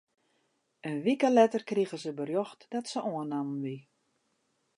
In wike letter krige se berjocht dat se oannommen wie.